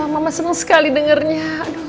mama seneng sekali dengarnya